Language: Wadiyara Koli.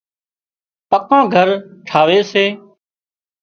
پڪان گھر ٽاهوي سي